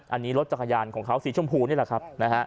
อันนี้รถจักรยานของเขาสีชมพูนี่แหละครับนะฮะ